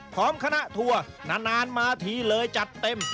พร้อมคณะทัวร์นานมาทีเลยจัดเต็ม